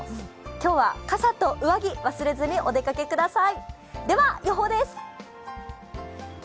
今日は傘と上着忘れずにお出かけください。